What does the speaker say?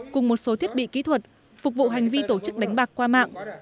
cùng một số thiết bị kỹ thuật phục vụ hành vi tổ chức đánh bạc qua mạng